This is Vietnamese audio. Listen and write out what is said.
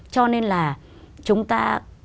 cho nên là chúng ta